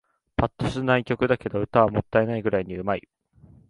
ぱっとしない曲だけど、歌はもったいないくらいに上手い